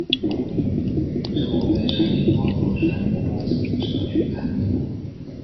之后被上级魔族率领不死者军团灭国。